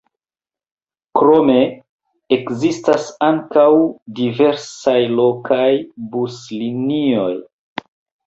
Krome ekzistas ankaŭ diversaj lokaj buslinioj.